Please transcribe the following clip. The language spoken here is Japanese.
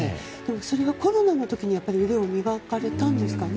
それがコロナの時に腕を磨かれたんですかね。